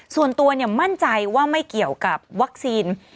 ส่วนตัวมั่นใจว่าไม่เกี่ยวกับวัคซีน